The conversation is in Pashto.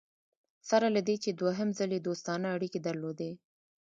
سره له دې چې دوهم ځل یې دوستانه اړیکي درلودې.